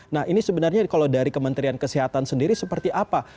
nah ini sebenarnya kalau dari kementerian kesehatan sendiri seperti apa